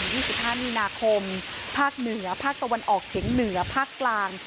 ๒๕มีนาคมภาคเหนือภาคตะวันออกเฉียงเหนือภาคกลาง